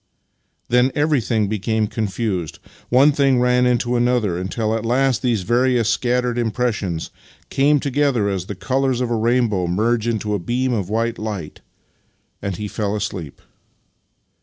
Then everything be came confused. One thing ran into another, until at last these various scattered impressions came to gether as the colours of a rainbow merge into a beam of white light, and he fell asleep.